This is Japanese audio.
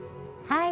はい。